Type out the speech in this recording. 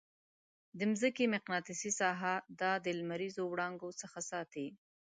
د مځکې مقناطیسي ساحه دا د لمریزو وړانګو څخه ساتي.